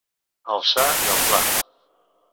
Al sa i al pla.